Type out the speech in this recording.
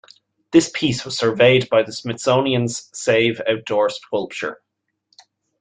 This piece was surveyed by the Smithsonian's Save Outdoor Sculpture!